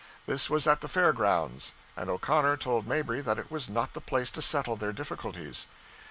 This was at the fair grounds, and O'Connor told Mabry that it was not the place to settle their difficulties.